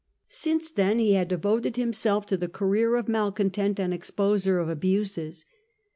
Since then he had devoted himself to the career of malcontent and exposer of abuses.